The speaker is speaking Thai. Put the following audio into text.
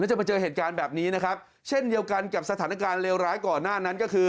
จะมาเจอเหตุการณ์แบบนี้นะครับเช่นเดียวกันกับสถานการณ์เลวร้ายก่อนหน้านั้นก็คือ